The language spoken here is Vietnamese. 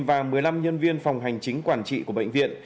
và một mươi năm nhân viên phòng hành chính quản trị của bệnh viện